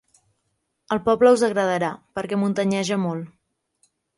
El poble us agradarà, perquè muntanyeja molt.